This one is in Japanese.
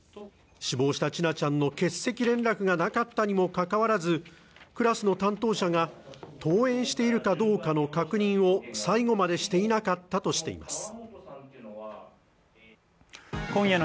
死亡した千奈ちゃんの欠席連絡がなかったにもかかわらずクラスの担当者が登園しているかどうかの確認を最後までしていなかったとしています